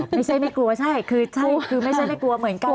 ไม่ใช่ไม่กลัวใช่คือใช่คือไม่ใช่ไม่กลัวเหมือนกัน